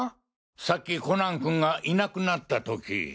さっきコナン君がいなくなった時。